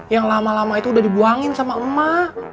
yang lama lama itu udah dibuangin sama emak